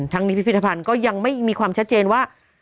ทั้งนี้พิพิธภัณฑ์ก็ยังไม่มีความชัดเจนว่า